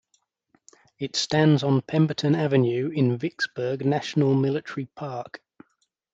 It stands on Pemberton Avenue in Vicksburg National Military Park.